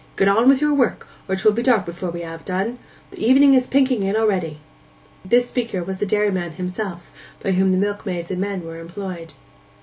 Get on with your work, or 'twill be dark afore we have done. The evening is pinking in a'ready.' This speaker was the dairyman himself; by whom the milkmaids and men were employed.